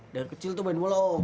dari kecil itu main bola om